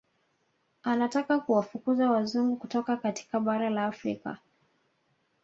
Anataka kuwafukuza Wazungu kutoka katika bara la Afrika